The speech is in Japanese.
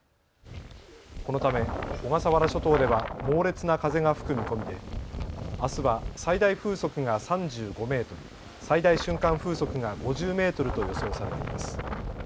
このため小笠原諸島では猛烈な風が吹く見込みであすは最大風速が３５メートル、最大瞬間風速が５０メートルと予想されています。